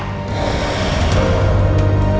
untuk mengembangkan keadaan